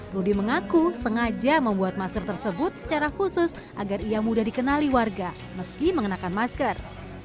rudy mengaku sengaja membuat masker tersebut secara khusus agar ia mudah dikenali warga meski mengenakan masker